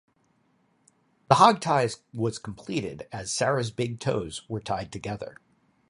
The hogtie was completed as Sarah's big toes were tied together.